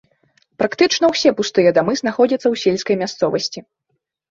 Практычна ўсе пустыя дамы знаходзяцца ў сельскай мясцовасці.